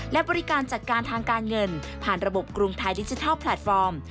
และบริการจัดการทางการเงินผ่านระบบกรุงไทยดิจิทัลแพลตฟอร์ม